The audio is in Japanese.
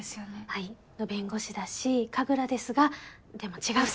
はい弁護士だし神楽ですがでも違うん。